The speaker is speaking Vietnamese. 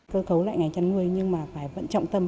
tôi khấu lại ngành chăn nuôi nhưng mà phải vẫn trọng tâm